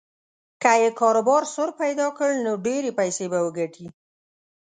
که یې کاروبار سور پیدا کړ نو ډېرې پیسې به وګټي.